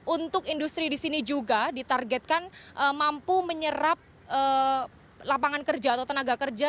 untuk industri di sini juga ditargetkan mampu menyerap lapangan kerja atau tenaga kerja